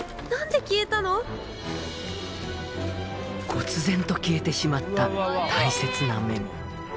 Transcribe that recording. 忽然と消えてしまった大切なメモ。